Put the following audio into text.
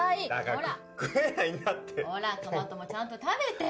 ほらトマトもちゃんと食べて。